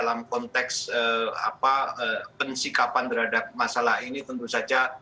dalam konteks pensikapan terhadap masalah ini tentu saja